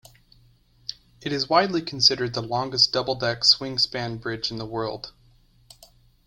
It is widely considered the longest double-deck swing-span bridge in the world.